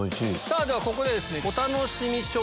ではここでお楽しみショー。